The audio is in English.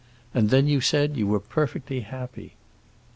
And then you said you were perfectly happy."